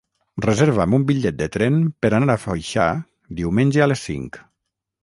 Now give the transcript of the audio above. Reserva'm un bitllet de tren per anar a Foixà diumenge a les cinc.